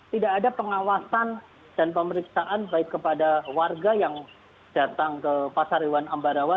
tidak ada pengawasan dan pemeriksaan baik kepada warga yang datang ke pasar hewan ambarawa